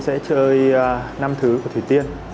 sẽ chơi năm thứ của thủy tiên